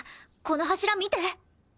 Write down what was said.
この柱見て！